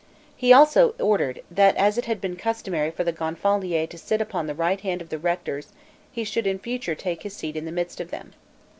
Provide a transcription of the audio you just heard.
He also ordered, that as it had been customary for the gonfalonier to sit upon the right hand of the rectors, he should in future take his seat in the midst of them.